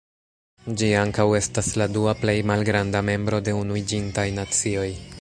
Ĝi ankaŭ estas la dua plej malgranda membro de Unuiĝintaj Nacioj.